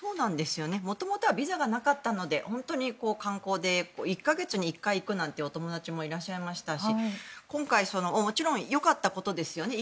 元々はビザがなかったので本当に観光で１か月に１回行くという友達もいらっしゃいましたし今回、もちろんよかったことですよね。